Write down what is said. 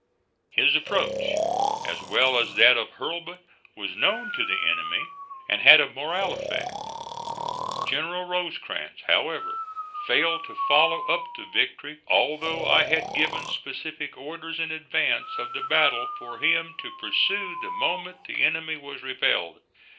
His approach, as well as that of Hurlbut, was known to the enemy and had a moral effect. General Rosecrans, however, failed to follow up the victory, although I had given specific orders in advance of the battle for him to pursue the moment the enemy was repelled.